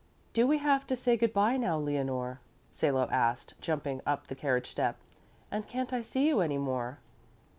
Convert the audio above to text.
"Do we have to say good bye now, Leonore," Salo asked, jumping up the carriage step, "and can't I see you any more?"